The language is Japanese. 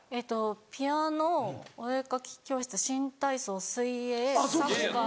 ピアノお絵描き教室新体操水泳サッカー。